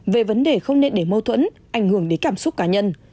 về vấn đề không nên để mâu thuẫn ảnh hưởng đến cảm xúc cá nhân